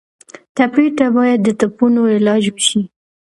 ټپي ته باید د ټپونو علاج وشي.